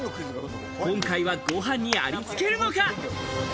今回はご飯にありつけるのか？